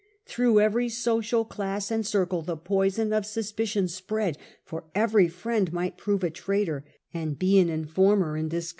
Through every social ^'™''* class and circle the poison of suspicion spread, for every friend might prove a traitor and be an informer in dis A.